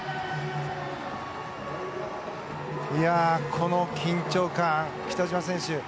この緊張感北島選手。